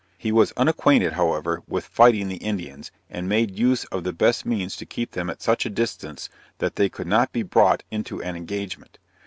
He was unacquainted, however, with fighting the Indians, and made use of the best means to keep them at such a distance that they could not be brought into an engagement.